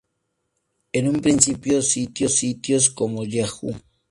En un principio, sitios como Yahoo!